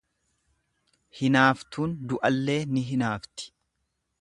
Hinaaftuun du'allee ni inaafti.